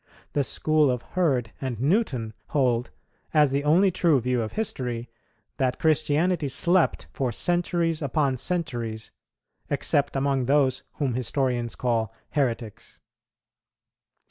The School of Hurd and Newton hold, as the only true view of history, that Christianity slept for centuries upon centuries, except among those whom historians call heretics.